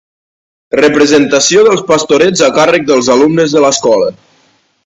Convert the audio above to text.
Representació dels Pastorets a càrrec dels alumnes de l'escola.